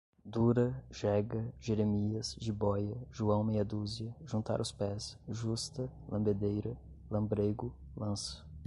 dura, jega, jeremias, jibóia, joão meia dúzia, juntar os pés, justa, lambedeira, lambrêgo, lança